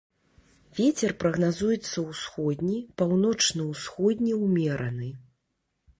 Вецер прагназуецца ўсходні, паўночна-ўсходні ўмераны.